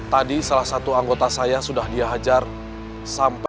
tadi salah satu anggota saya sudah diajar sampai